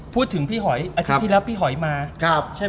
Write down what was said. พูดถึงพี่หอยอาทิตย์เรียว